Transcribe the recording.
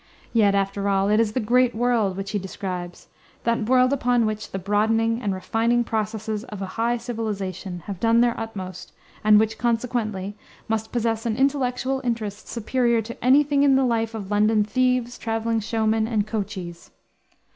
Yet, after all, it is "the great world" which he describes, that world upon which the broadening and refining processes of a high civilization have done their utmost, and which, consequently, must possess an intellectual interest superior to any thing in the life of London thieves, traveling showmen, and coachees.